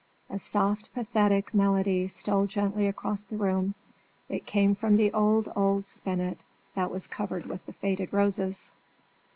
A soft, pathetic melody stole gently through the room. It came from the old, old spinet that was covered with the faded roses.